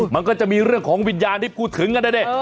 มันก็จะมีเรื่องของวิญญาณที่พูดถึงกันนะดิ